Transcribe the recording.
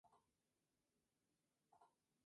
Su característica más personal era su barba blanca.